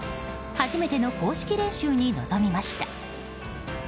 初めての公式練習に臨みました。